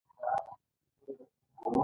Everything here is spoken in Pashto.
لاره بنده وه او بس په لار کې ولاړ و.